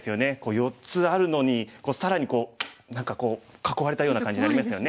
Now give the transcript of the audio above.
４つあるのに更にこう何か囲われたような感じなりますよね。